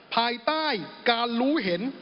ภายใต้การรู้เห็น